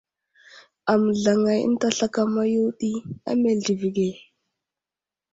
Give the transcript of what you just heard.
Aməzlaŋay ənta slakama yo ɗi a meltivi age.